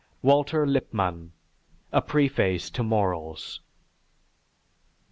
(_Walter Lippmann: "A Preface to Morals."